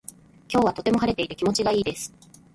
今日はとても晴れていて気持ちがいいです。